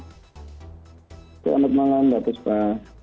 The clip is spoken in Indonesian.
selamat malam mbak puspa